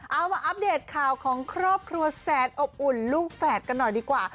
เอามาอัปเดตข่าวของครอบครัวแสนอบอุ่นลูกแฝดกันหน่อยดีกว่า